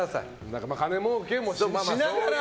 金もうけもしながら。